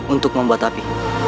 untuk membuat api